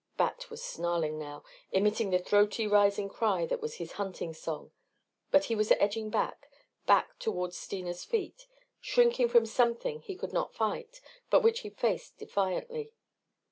Bat was snarling now, emitting the throaty rising cry that was his hunting song. But he was edging back, back toward Steena's feet, shrinking from something he could not fight but which he faced defiantly.